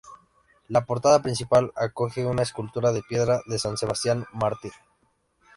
La portada principal acoge una escultura de piedra de San Sebastián Mártir.